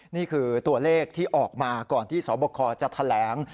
นี่คือตัวเลขที่ออกมาก่อนที่สบคจะแถลง